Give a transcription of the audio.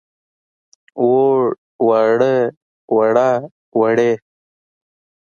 ووړ، واړه، وړه، وړې.